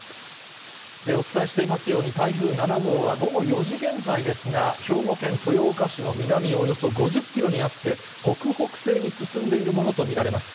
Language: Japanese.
お伝えしていますように、台風７号は午後４時現在ですが、兵庫県豊岡市の南およそ５０キロにあって、北北西に進んでいるものと見られます。